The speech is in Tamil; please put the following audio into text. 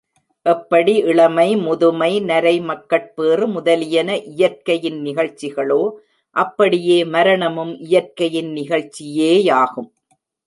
எப்படி இளமை, முதுமை, நரை மக்கட்பேறு முதலியன இயற்கையின் நிகழ்ச்சிகளோ அப்படியே மரணமும் இயற்கையின் நிகழ்ச்சியேயாகும்.